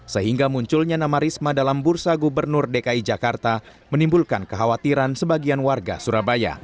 sehingga munculnya nama risma dalam bursa gubernur dki jakarta menimbulkan kekhawatiran sebagian warga surabaya